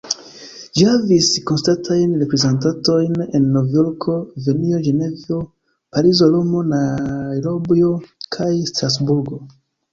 Ĝi havas konstantajn reprezentantojn en Novjorko, Vieno, Ĝenevo, Parizo, Romo, Najrobio kaj en Strasburgo.